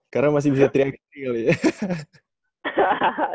karena masih bisa triaksi kali ya